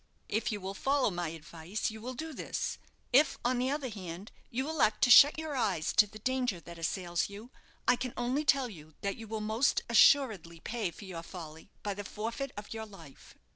If you will follow my advice, you will do this; if, on the other hand, you elect to shut your eyes to the danger that assails you, I can only tell you that you will most assuredly pay for your folly by the forfeit of your life."